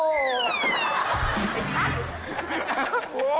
ไอ้ครัก